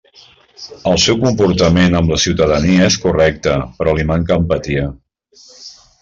El seu comportament amb la ciutadania és correcte però li manca empatia.